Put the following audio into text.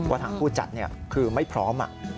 ทางผู้จัดคือไม่พร้อม